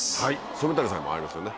染谷さんもありますよね。